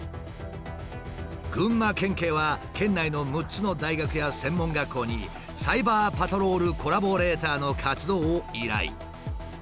群馬県警は県内の６つの大学や専門学校にサイバーパトロールコラボレイターの活動を依頼。